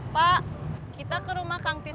pak kita ke rumah kang tips